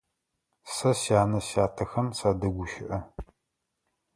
Сэ сянэ-сятэхэм садэгущыӏэ.